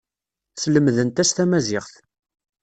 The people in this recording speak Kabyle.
Slemdent-as tamaziɣt.